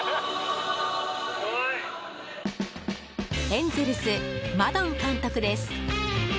エンゼルス、マドン監督です。